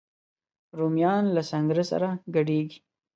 رومیان له سنګره سره ګډیږي